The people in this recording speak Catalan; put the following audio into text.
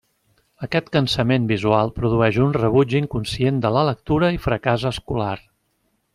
Aquest cansament visual produeix un rebuig inconscient de la lectura i fracàs escolar.